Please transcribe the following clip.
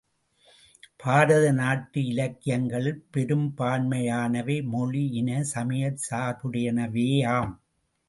பாரத நாட்டு இலக்கியங்களில் பெரும்பான்மையானவை மொழி, இன, சமயச் சார்புடையனவேயாம்.